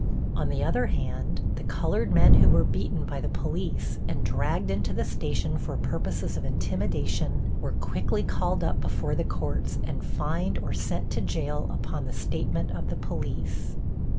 On the other hand, the colored men who were beaten by the police and dragged into the station for purposes of intimidation, were quickly called up before the courts and fined or sent to jail upon the statement of the police.